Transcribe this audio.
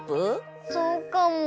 そうかも。